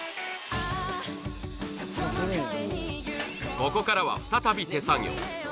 ここからは再び手作業。